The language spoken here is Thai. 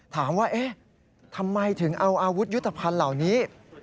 ถามว่าเอ๊ะทำไมถึงเอาอาวุธยุทธภัณฑ์เหล่านี้